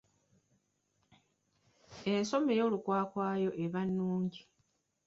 Ensoma ey'olukwakwayo eba nnungi.